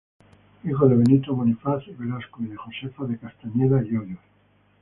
Hijo de Benito Bonifaz y Velasco, y de Josefa de Castañeda y Hoyos.